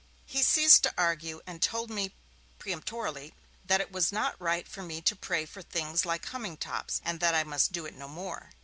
He ceased to argue, and told me peremptorily that it was not right for me to pray for things like humming tops, and that I must do it no more.